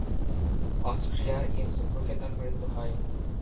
অস্ট্রিয়ার ইন্সব্রুকে তাঁর মৃত্যু হয়।